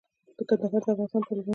د کندهار د افغانستان پلازمېنه ده.